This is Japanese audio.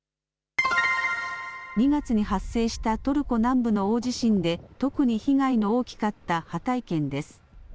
２月に発生したトルコ南部の大地震で特に被害の大きかったハタイ県です。